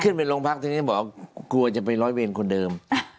ไปโรงพักทีนี้บอกกลัวจะไปร้อยเวรคนเดิม